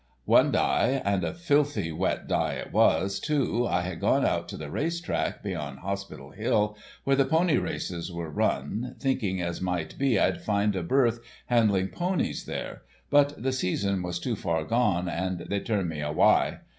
One dye, and a filthy wet dye it was, too, I had gone out to the race track, beyond Hospital Hill, where the pony races are run, thinking as might be I'd find a berth, handling ponies there, but the season was too far gone, and they turned me awye.